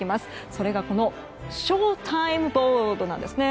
それがこの賞タイムボードなんですね。